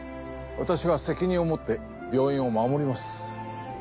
私が責任を持って病院を守ります。